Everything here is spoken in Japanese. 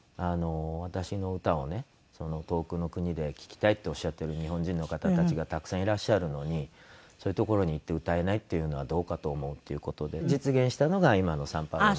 私の歌をね遠くの国で聴きたいっておっしゃってる日本人の方たちがたくさんいらっしゃるのにそういう所に行って歌えないっていうのはどうかと思うっていう事で実現したのが今のサンパウロの。